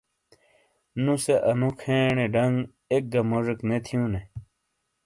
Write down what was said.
نو سے انو کھینے ڈنگ ایکگہ موڙیک نے تھیوں نے